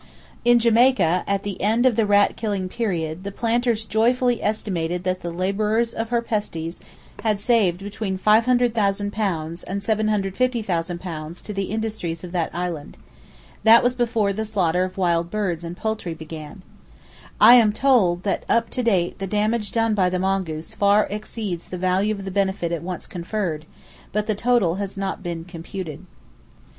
In Jamaica, at the end of the rat killing period, the planters joyfully estimated that the labors of Herpestes had saved between £500,000 and £750,000 to the industries of that island. That was before the slaughter of wild birds and poultry began. I am told that up to date the damage done by the mongoose far exceeds the value of the benefit it once conferred, but the total has not been computed.